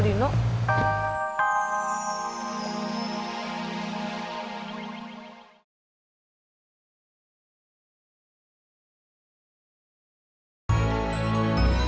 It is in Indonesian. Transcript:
di video selanjutnya